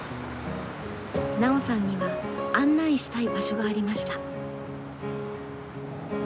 奈緒さんには案内したい場所がありました。